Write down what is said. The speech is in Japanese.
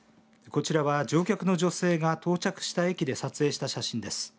こちらは乗客の女性が到着した駅で撮影した写真です。